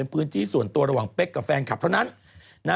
พื้นที่ส่วนตัวระหว่างเป๊กกับแฟนคลับเท่านั้นนะ